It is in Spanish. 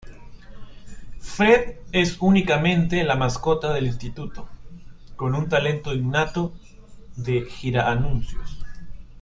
Fred es únicamente la mascota del Instituto, con un talento innato de "gira-anuncios".